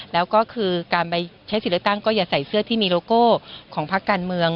แล้วก็คือการไปใช้สิทธิ์เลือกตั้งก็อย่าใส่เสื้อที่มีโลโก้ของพักการเมือง